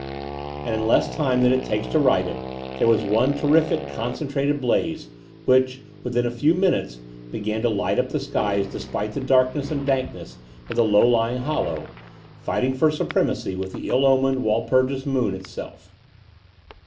And in less time than it takes to write it there was one terrific concentrated blaze, which, within a few minutes, began to light up the skies despite the darkness and dankness of the low lying hollow, fighting for supremacy with the ill omened WcU purgis moon itself.